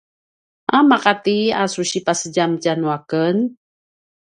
a maqati a su sipasedjam tja nuaken?